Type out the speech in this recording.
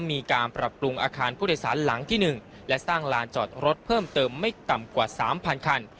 มีการปรับปรุงอาคารผู้โดยสารหลังที่๑และสร้างลานจอดรถเพิ่มเติมไม่ต่ำกว่า๓๐๐คัน